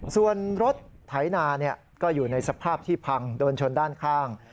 ส่วนรถไถนาก็อยู่ในสภาพที่พังโดนชนด้านข้าง